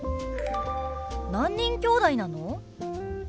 何人きょうだいなの？